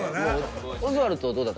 オズワルドどうだった？